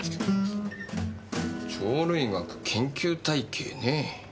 『鳥類学研究体系』ねぇ。